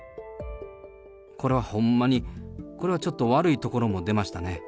これはほんまに、これはちょっと悪いところも出ましたね。